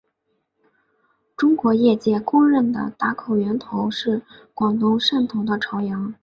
中国业界公认的打口源头是广东汕头的潮阳。